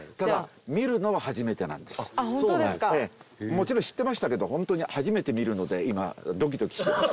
もちろん知ってましたけどホントに初めて見るので今ドキドキしてます。